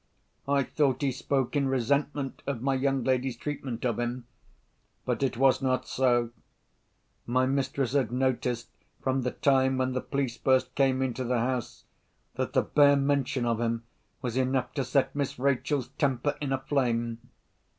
I thought he spoke in resentment of my young lady's treatment of him. But it was not so. My mistress had noticed, from the time when the police first came into the house, that the bare mention of him was enough to set Miss Rachel's temper in a flame.